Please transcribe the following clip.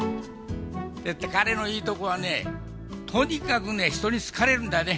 彼のいいところはね、とにかくね、人に好かれるんだね。